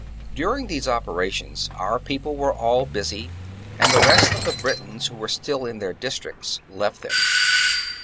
During these operations our people were all busy, and the rest *of the Britons, who were still in their districts, left them.